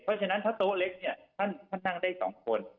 เพราะฉะนั้นถ้าโต๊ะเล็กเราได้นั่งได้๒คน